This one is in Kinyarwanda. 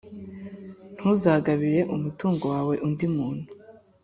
ntuzagabire umutungo wawe undi muntu,